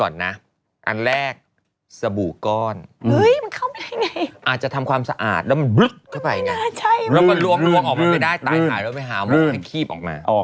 เราล้วงออกมันไปได้ไหนหายเราล้วงให้คลีบออกมา